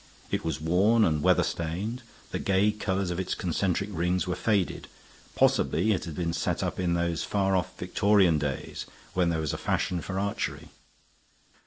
It was worn and weatherstained; the gay colors of its concentric rings were faded; possibly it had been set up in those far off Victorian days when there was a fashion of archery.